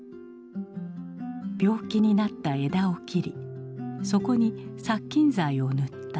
病気になった枝を切りそこに殺菌剤を塗った。